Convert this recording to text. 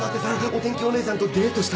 お天気お姉さんとデートしたのかぁ。